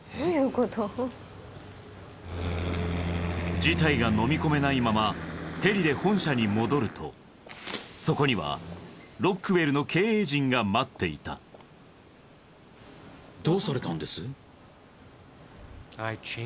事態が飲み込めないままヘリで本社に戻るとそこには「ロックウェル」の経営陣が待っていたどうされたんです？